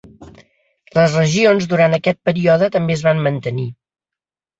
Les regions durant aquest període també es van mantenir.